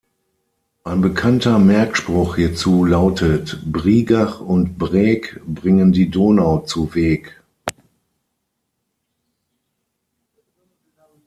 Ein bekannter Merkspruch hierzu lautet: "Brigach und Breg bringen die Donau zuweg.